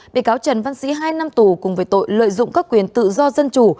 bị cáo trần văn sĩ hai năm tù cùng với tội lợi dụng các quyền tự do dân chủ